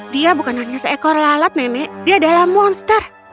dia bukan hanya seekor lalat nenek dia adalah monster